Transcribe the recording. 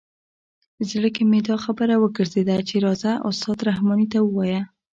زړه کې مې دا خبره وګرځېده چې راځه استاد رحماني ته ووایه.